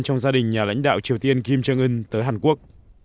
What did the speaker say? trong gia đình nhà lãnh đạo triều tiên kim jong un tới hàn quốc